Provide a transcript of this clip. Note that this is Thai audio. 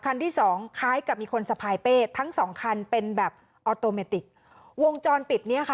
ที่สองคล้ายกับมีคนสะพายเป้ทั้งสองคันเป็นแบบออโตเมติกวงจรปิดเนี้ยค่ะ